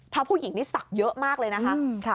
ถ้าผู้หญิงนี่สักเยอะมากเลยนะคะ